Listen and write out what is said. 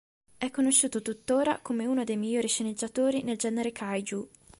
È conosciuto tuttora come uno dei migliori sceneggiatori nel genere Kaijū.